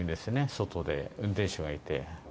外で、運転手がいて。